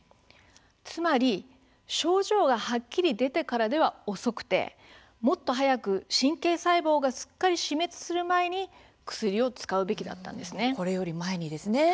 つまり、症状がはっきり出てからでは遅くてもっと早く、神経細胞がすっかり死滅する前に薬を使うべきだったんです。